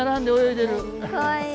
かわいい！